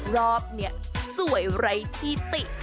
รอบนี้สวยไร้ที่ติ